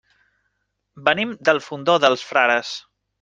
Venim del Fondó dels Frares.